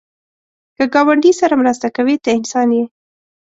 که ګاونډي سره مرسته کوې، ته انسان یې